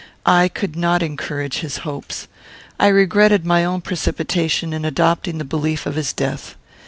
I could not encourage his hopes. I regretted my own precipitation in adopting the belief of his death.